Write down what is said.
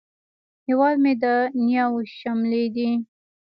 هیواد مې د نیاوو شملې دي